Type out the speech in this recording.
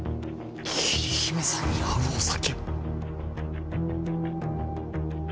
桐姫さんに合うお酒？